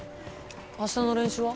明日の練習は？